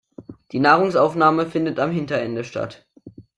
Die Nahrungsaufnahme findet am Hinterende statt.